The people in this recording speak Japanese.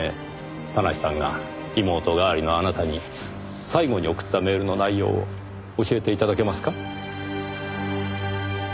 田無さんが妹代わりのあなたに最後に送ったメールの内容を教えて頂けますか？